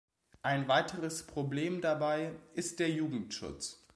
Ein weiteres Problem dabei ist der Jugendschutz.